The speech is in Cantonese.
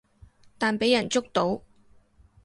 但畀人捉到